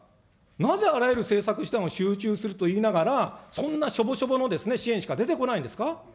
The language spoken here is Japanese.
なぜあらゆる政策手段を集中すると言いながら、そんなしょぼしょぼの支援しか出てこないんですか。